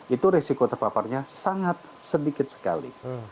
itu resiko terpaparnya sangat sedikit terlalu tinggi